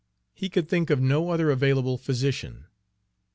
He could think of no other available physician.